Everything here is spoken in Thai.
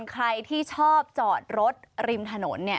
ใครที่ชอบจอดรถริมถนน